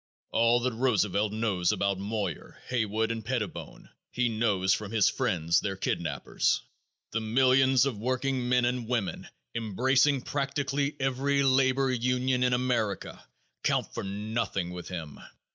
All that Roosevelt knows about Moyer, Haywood and Pettibone he knows from his friends, their kidnapers. The millions of working men and women, embracing practically every labor union in America, count for nothing with him.